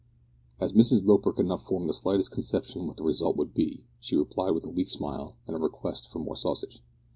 As Mrs Loper could not form the slightest conception what the result would be, she replied with a weak smile and a request for more sausage.